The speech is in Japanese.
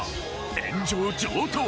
炎上上等！